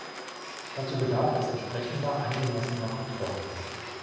Dazu bedarf es entsprechender angemessener Kontrollen.